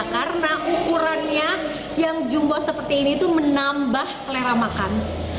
karena ukurannya yang jumbo seperti ini itu menambah selera makan